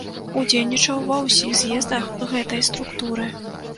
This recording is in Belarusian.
Удзельнічаў ва ўсіх з'ездах гэтай структуры.